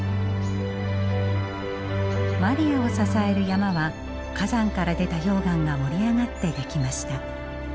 マリアを支える山は火山から出た溶岩が盛り上がって出来ました。